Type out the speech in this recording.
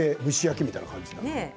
蒸し焼きみたいな感じ？